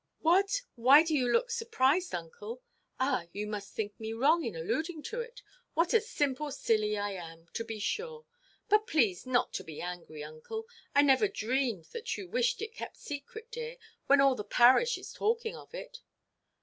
What! why you look surprised, uncle? Ah, you think me wrong in alluding to it. What a simple silly I am, to be sure! But please not to be angry, uncle. I never dreamed that you wished it kept secret, dear, when all the parish is talking of it."